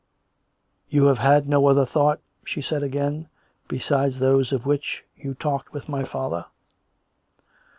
" You have had no other thought ?" she said again, "besides thos'e of which you talked with my father.''"